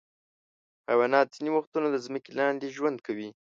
حیوانات ځینې وختونه د ځمکې لاندې ژوند کوي.